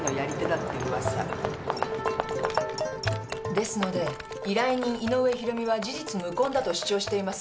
ですので依頼人井上博美は事実無根だと主張しています。